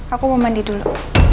aku mau mandi dulu